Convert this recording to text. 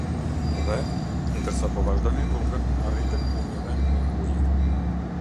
Dhe, ndërsa po vazhdonin rrugën, arritën në një vend me ujë.